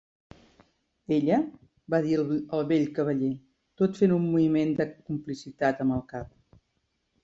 'Ella!', va dir el vell cavaller, tot fent un moviment de complicitat amb el cap.